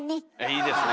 いいですね。